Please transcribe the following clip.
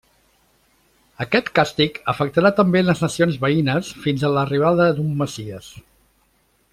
Aquest càstig afectarà també les nacions veïnes fins a l'arribada d'un Messies.